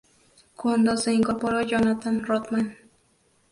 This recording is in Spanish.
Cuando se incorporó Jonathan Rothman.